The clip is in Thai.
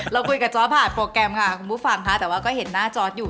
เราคุยกับจอร์ดผ่านโปรแกรมค่ะคุณผู้ฟังค่ะแต่ว่าก็เห็นหน้าจอร์ดอยู่